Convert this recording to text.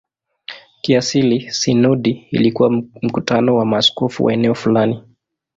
Kiasili sinodi ilikuwa mkutano wa maaskofu wa eneo fulani.